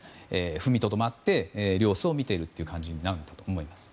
踏みとどまって様子を見ている形になると思います。